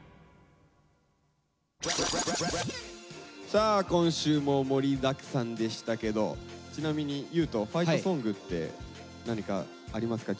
さあ今週も盛りだくさんでしたけどちなみに優斗ファイトソングって何かありますか？